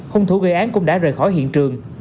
hung thủ gây án cũng đã rời khỏi hiện trường